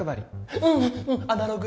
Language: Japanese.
うんアナログ